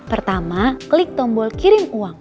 pertama klik tombol kirim uang